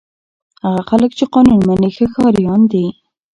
هغه خلک چې قانون مني ښه ښاریان دي.